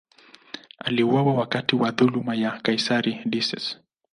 Aliuawa wakati wa dhuluma ya kaisari Decius.